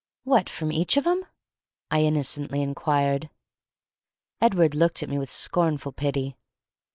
"What, from each of 'em?" I innocently inquired. Edward looked at me with scornful pity.